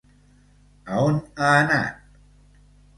A on ha anat?